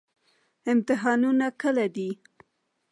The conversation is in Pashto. امتحانونه کله دي؟